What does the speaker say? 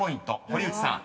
［堀内さん